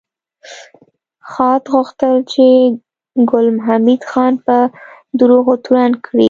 خاد غوښتل چې ګل حمید خان په دروغو تورن کړي